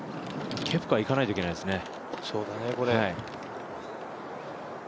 ケプカはいかないといけないですね。